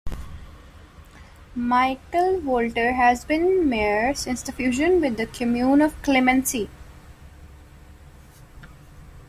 Michel Wolter has been mayor since the fusion with the commune of Clemency.